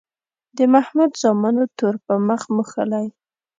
د محمود زامنو تور په مخ موښلی.